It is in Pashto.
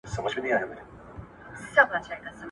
په خوله ذکر په زړه مکر تر خرقې لاندي جامونه ,